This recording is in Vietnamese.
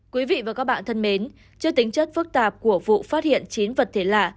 quý vị và các bạn thân mến trước tính chất phức tạp của vụ phát hiện chín vật thể lạ